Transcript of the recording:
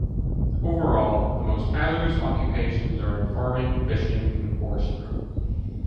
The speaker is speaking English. Overall, the most hazardous occupations are in farming, fishing, and forestry.